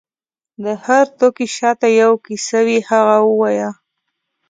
د هر توکي شاته یو کیسه وي، هغه ووایه.